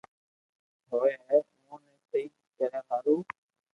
ھوئي ھين اووہ ني سھي ڪريا ھارو